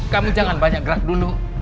kamu jangan banyak gerak dulu